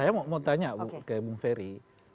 saya mau tanya ke bung ferry